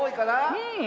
うん。